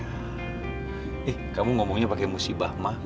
ih kamu ngomongnya pake musibah mah